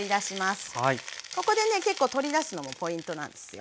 ここでね結構取り出すのもポイントなんですよ。